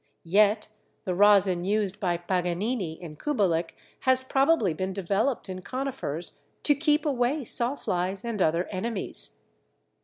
Yet the rosin used by Paganini and Kubelik has probably been developed in Conifers to keep away sawflies and other enemies.